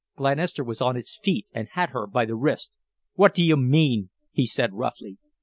Glenister was on his feet and had her by the wrist. "What do you mean?" he said, roughly.